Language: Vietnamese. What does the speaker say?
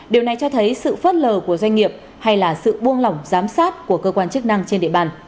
điều này cho thấy sự phớt lờ của doanh nghiệp hay là sự buông lỏng giám sát của cơ quan chức năng trên địa bàn